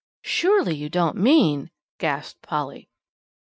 "Surely you don't mean " gasped Polly.